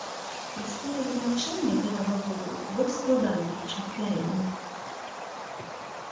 Працэдура вызначэння гэтага водару больш складаная, чым папярэднія.